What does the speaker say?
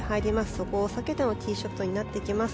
そこを避けてのティーショットになってきます。